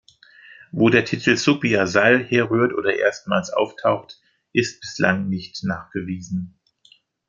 Wo der Titel Subh-i-Azal herrührt oder erstmals auftaucht, ist bislang nicht nachgewiesen.